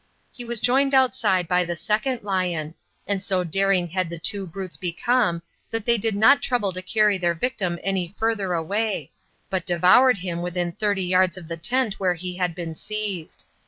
He was joined outside by the second lion, and so daring had the two brutes become that they did not trouble to carry their victim any further away, but devoured him within thirty yards of the tent where he had been seized.